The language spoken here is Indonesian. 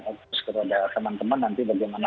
fokus kepada teman teman nanti bagaimana